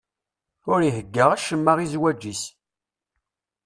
Ur ihegga acemma i zzwaǧ-is.